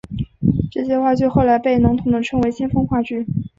这些话剧后来被笼统地称为先锋话剧。